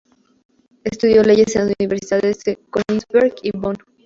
Estudió leyes en las universidades de Königsberg y Bonn.